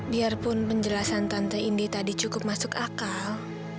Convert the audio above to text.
biarpun penjelasan tante indi tadi cukup masuk akal